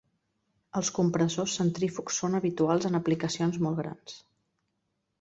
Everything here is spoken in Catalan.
Els compressors centrífugs són habituals en aplicacions molt grans.